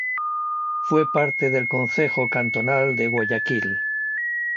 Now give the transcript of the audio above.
Fue parte del Concejo Cantonal de Guayaquil.